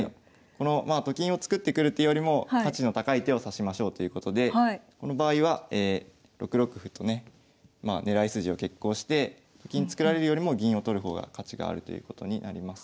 このと金を作ってくる手よりも価値の高い手を指しましょうということでこの場合は６六歩とね狙い筋を決行してと金作られるよりも銀を取る方が価値があるということになります。